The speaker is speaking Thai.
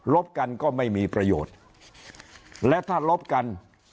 บกันก็ไม่มีประโยชน์และถ้าลบกัน